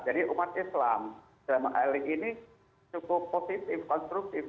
jadi umat islam dalam akhiri ini cukup positif konstruktif